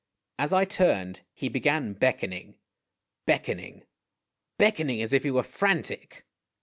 As I turned, he began beckoning beckoning beckoning, as if he were frantic.